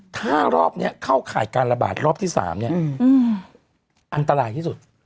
ถ้ารอบนี้เข้าข่ายการระบาดรอบที่๓เนี่ยอันตรายที่สุด